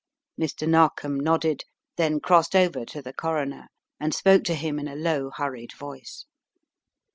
Mr. Narkom nodded, then crossed over to the Coro ner and spoke to him in a low, hurried voice.